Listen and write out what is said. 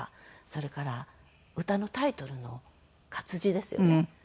それから歌のタイトルの活字ですよね。